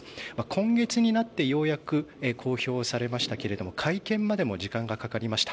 今月になってようやく公表されましたが会見までも時間がかかりました。